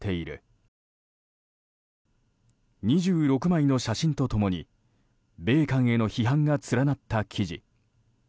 ２６枚の写真と共に米韓への批判が連なった記事。